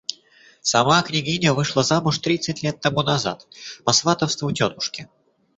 Сама княгиня вышла замуж тридцать лет тому назад, по сватовству тетушки.